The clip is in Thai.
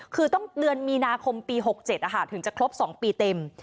คือต้องเดือนมีนาคมปี๖๗ถึงจะครบ๒ปีเต็ม